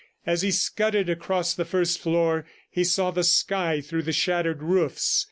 As he scudded across the first floor, he saw the sky through the shattered roofs.